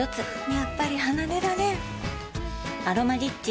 やっぱり離れられん「アロマリッチ」